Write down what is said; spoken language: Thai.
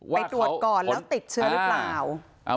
ไปตรวจก่อนแล้วติดเชื้อหรือเปล่า